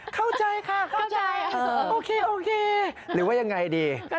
เข้าใจค่ะสมัครสภาษาออกโอน้อยหรือว่ายังไงดี